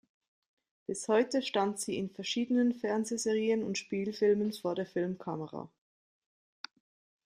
Bis heute stand sie in verschiedenen Fernsehserien und Spielfilmen vor der Filmkamera.